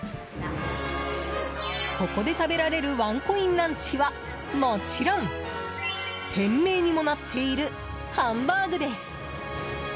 ここで食べられるワンコインランチはもちろん、店名にもなっているハンバーグです。